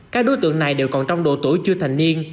các đối tượng này đều còn trong độ tuổi chưa thành niên